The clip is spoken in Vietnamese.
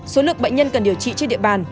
số lượng bệnh nhân cần điều trị trên địa bàn